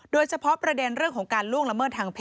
โดยเฉพาะประเด็นเรื่องของการล่วงละเมิดทางเพศ